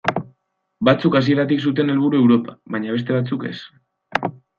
Batzuk hasieratik zuten helburu Europa, baina beste batzuk ez.